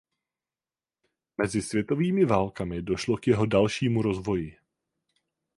Mezi světovými válkami došlo k jeho dalšímu rozvoji.